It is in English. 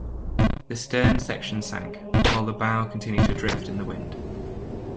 The stern section sank, while the bow continued to drift in the wind.